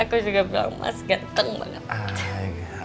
aku juga bilang emas ganteng banget